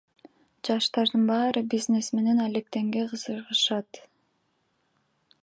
Жаштардын баары бизнес менен алектенгенге кызыгышат.